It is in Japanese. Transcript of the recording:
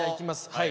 はい。